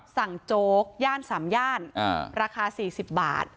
สั่งโจ๊กย่านสามย่านราคา๔๐บาท